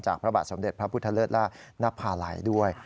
พระบาทสมเด็จพระพุทธเลิศล่านภาลัยด้วย